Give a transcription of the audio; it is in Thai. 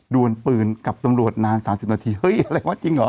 วนปืนกับตำรวจนาน๓๐นาทีเฮ้ยอะไรวะจริงเหรอ